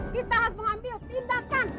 kita harus mengambil tindakan